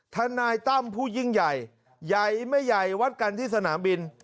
ทนายตั้มผู้ยิ่งใหญ่ใหญ่ไม่ใหญ่วัดกันที่สนามบิน